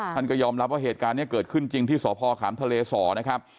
ท่านก็ยอมรับว่าเหตุการณ์นี้เกิดขึ้นจริงที่สพขามทะเลสอนะครับ